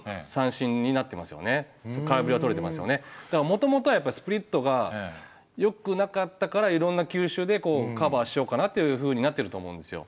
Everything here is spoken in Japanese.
もともとやっぱりスプリットがよくなかったからいろんな球種でカバーしようかなっていうふうになってると思うんですよ。